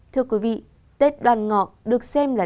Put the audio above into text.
thưa quý vị tết đoàn ngọc được xem là